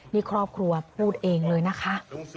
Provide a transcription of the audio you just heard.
นี่ครอบครัวพูดเองเลยนะคะ